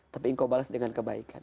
tapi engkau balas dengan kebaikan